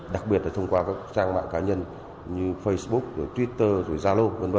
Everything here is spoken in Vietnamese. đặc biệt là thông qua các trang mạng cá nhân như facebook twitter zalo v v